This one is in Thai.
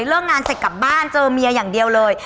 เลิกงานเสร็จกลับบ้านเจอเมียอย่างเดียวเลย